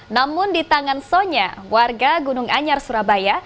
namun di tangan sonya warga gunung anyar surabaya